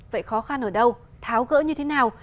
vậy khó khăn ở đâu tháo gỡ như thế nào